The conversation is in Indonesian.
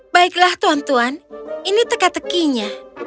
baiklah tuan tuan ini teka tekinya